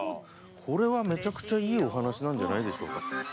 ◆これはめちゃくちゃいいお話なんじゃないでしょうか。